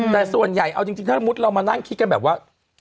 แต่ส่วนใหญ่เอาจริงถ้าสมมุติเรามานั่งคิดกันแบบว่า